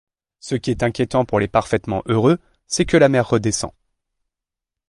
Ce qui est inquiétant pour les parfaitement heureux, c’est que la mer redescend.